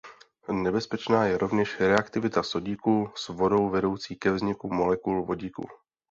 Nebezpečná je rovněž reaktivita sodíku s vodou vedoucí ke vzniku molekul vodíku.